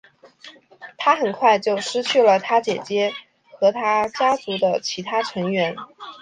他很快就失去了他姐姐和他家族的其他成员。